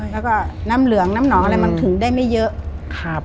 แล้วก็น้ำเหลืองน้ำหนองอะไรมันถึงได้ไม่เยอะ